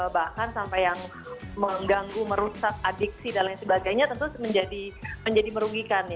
bahkan sampai yang mengganggu merusak adiksi dan lain sebagainya tentu menjadi merugikan